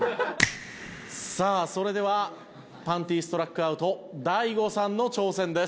さあそれではパンティストラックアウト大悟さんの挑戦です。